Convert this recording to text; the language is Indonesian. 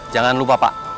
jangan lupa pak